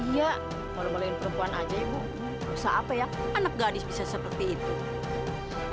iya kalau lain perempuan aja ibu usah apa ya anak gadis bisa seperti itu